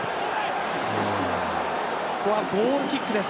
ここはゴールキックです。